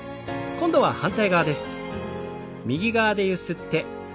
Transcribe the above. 今度は反対側です。